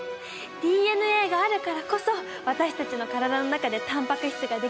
ＤＮＡがあるからこそ私たちの体の中でタンパク質ができるってこと。